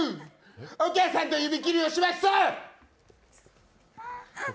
お母さんと指切りをしました！